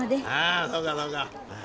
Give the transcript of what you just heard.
あそうかそうか。